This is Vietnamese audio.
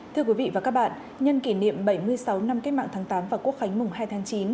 thưa quý vị và các bạn nhân kỷ niệm bảy mươi sáu năm cách mạng tháng tám và quốc khánh mùng hai tháng chín